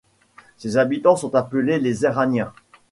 Ses habitants sont appelés les Éragniens.